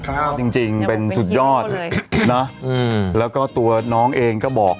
จริงจริงเป็นสุดยอดนะอืมแล้วก็ตัวน้องเองก็บอก